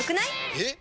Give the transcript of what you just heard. えっ！